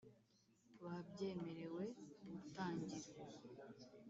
Babyemerewe gutangira.